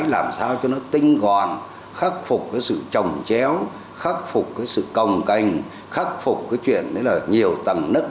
lần này trung ương ban hành bốn nghị quyết và một kết luận